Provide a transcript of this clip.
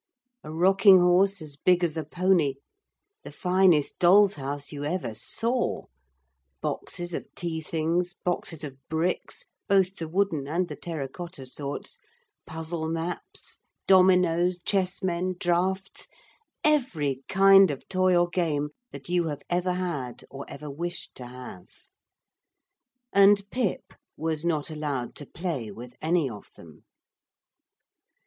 A rocking horse as big as a pony, the finest dolls' house you ever saw, boxes of tea things, boxes of bricks both the wooden and the terra cotta sorts puzzle maps, dominoes, chessmen, draughts, every kind of toy or game that you have ever had or ever wished to have. And Pip was not allowed to play with any of them.